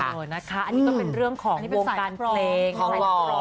อันนี้ก็เป็นเรื่องของวงการเพลงใส่คล้อง